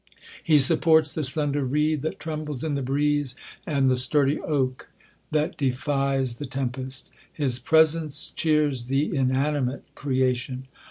He supports the slender reed that trembles in the breeze, and the sturdy oak that defies the tempest. His pres ence cheers the inanimate creation.